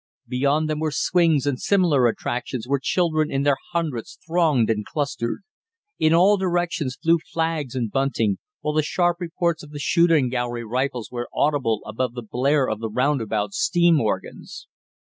Beyond them were swings and similar attractions where children in their hundreds thronged and clustered. In all directions flew flags and bunting, while the sharp reports of the shooting gallery rifles were audible above the blare of the roundabouts' steam organs.